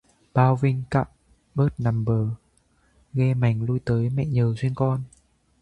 Bao Vinh cao bợt hẳm bờ, ghe mành lui tới mẹ nhờ duyên con